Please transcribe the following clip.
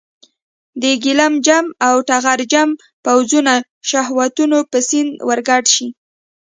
د ګیلم جم او ټغر جم پوځونه شهوتونو په سیند ورګډ شي.